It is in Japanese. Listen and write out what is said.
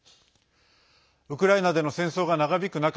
ウクライナでの戦争が長引く中